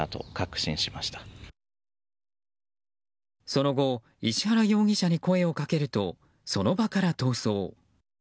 その後、石原容疑者に声をかけるとその場から逃走。